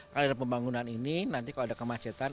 kalau ada pembangunan ini nanti kalau ada kemacetan